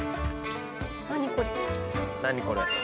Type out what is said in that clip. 何これ。